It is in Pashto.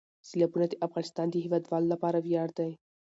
سیلابونه د افغانستان د هیوادوالو لپاره ویاړ دی.